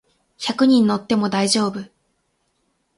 百人乗っても大丈夫